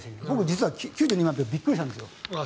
実は９２万票でびっくりしたんですよ。